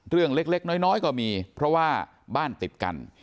เรื่องเล็กน้อยก็มีเพราะว่าบ้านติดกัน